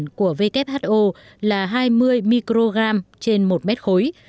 nói chung nội dung của who là hai mươi microgram trên một mét khối